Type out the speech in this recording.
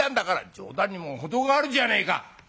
「冗談にも程があるじゃねえか」。